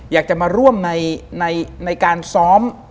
อยากจะมาร่วมในการซ้อม